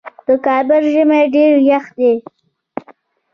د کابل ژمی ډیر یخ دی